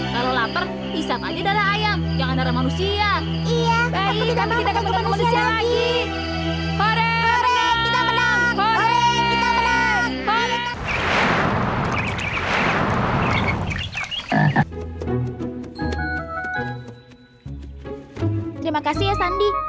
terima kasih ya sandi